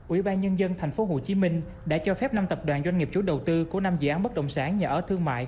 ubnd tp hcm đã cho phép năm tập đoàn doanh nghiệp chủ đầu tư của năm dự án bất động sản nhà ở thương mại